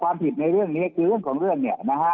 ในเรื่องนี้คือเรื่องของเรื่องเนี่ยนะฮะ